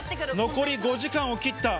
残り５時間を切った。